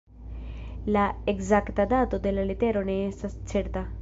La ekzakta dato de la letero ne estas certa.